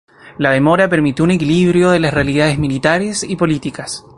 La demora permitió un equilibrio de las realidades militares y políticas.